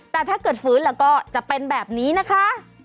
แต่ถ้าเกิดฝืนแล้วก็จะเป็นแบบนี้นะคะ